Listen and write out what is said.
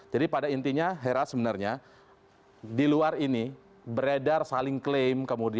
jadi pada intinya heras sebenarnya di luar ini beredar saling klaim